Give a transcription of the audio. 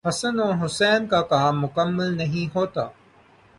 حسن اور حسین کا کام مکمل نہیں ہوتا۔